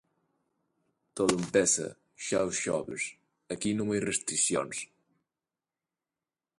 Todo empeza xa os xoves, aquí non hai restricións.